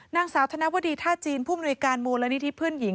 นางสาวธนวดีท่าจีนผู้มนุยการมูลนิธิเพื่อนหญิง